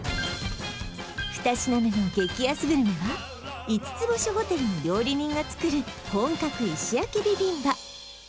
２品目の激安グルメは五つ星ホテルの料理人が作る本格石焼ビビンバ